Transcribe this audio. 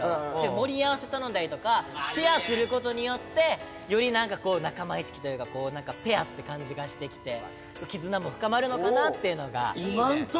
盛り合わせ頼んだりとかシェアする事によってよりなんかこう仲間意識というかペアって感じがしてきて絆も深まるのかなっていうのが。